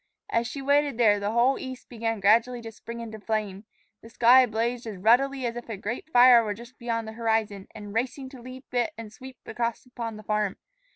As she waited there, the whole east began gradually to spring into flame. The sky blazed as ruddily as if a great fire were just beyond the horizon and racing to leap it and sweep across upon the farm.